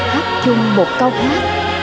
hát chung một câu hát